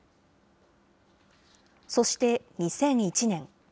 そして、２００１年。